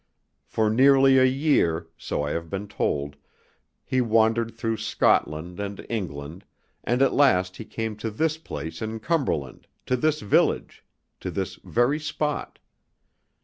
For nearly a year, so I have been told, he wandered through Scotland and England, and at last he came to this place in Cumberland, to this village, to this very spot.